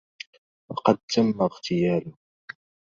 وقد تم اغتياله